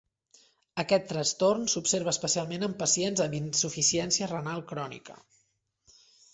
Aquest trastorn s'observa especialment en pacients amb insuficiència renal crònica.